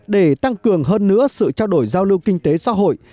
để tăng cường hơn nữa sự trao đổi giao lưu kinh tế xã hội